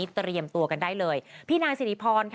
พี่นางศิริพร